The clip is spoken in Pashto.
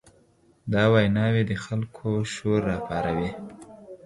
دا ویناوې د خلکو شور راپاروي.